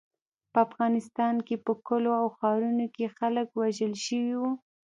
په افغانستان کې په کلیو او ښارونو کې خلک وژل شوي وو.